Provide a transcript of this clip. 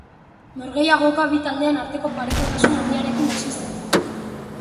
Norgehiagoka bi taldeen arteko parekotasun handiarekin hasi zen.